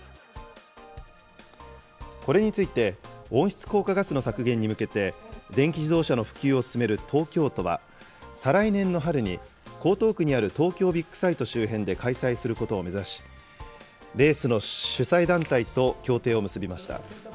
これについて、温室効果ガスの削減に向けて、電気自動車の普及を進める東京都は、再来年の春に、江東区にある東京ビッグサイト周辺で開催することを目指し、レースの主催団体と協定を結びました。